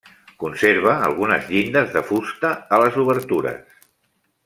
Conserva algunes llindes de fusta a les obertures.